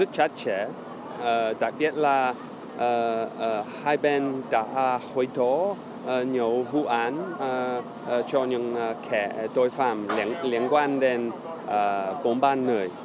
chúng ta đã hồi tố nhiều vụ án cho những kẻ tội phạm liên quan đến bốn bàn người